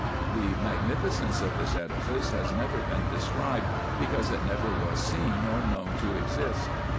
The magnificence of this edifice has never been described, because it never was seen or known to exist.